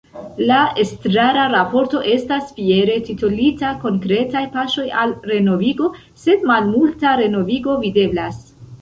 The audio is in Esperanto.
La Estrara Raporto estas fiere titolita “Konkretaj paŝoj al renovigo”, sed malmulta renovigo videblas.